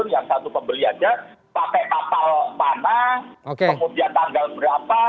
yang satu pembeli aja pakai kapal mana kemudian tanggal berapa